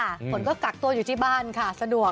ฝนก็กักตัวอยู่ที่บ้านค่ะสะดวก